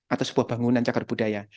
atau sebuah bangunan cagar budaya